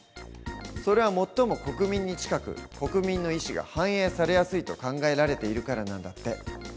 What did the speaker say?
それは最も国民に近く国民の意思が反映されやすいと考えられているからなんだって。